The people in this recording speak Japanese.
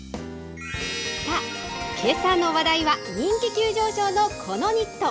さあ、けさの話題は、人気急上昇のこのニット。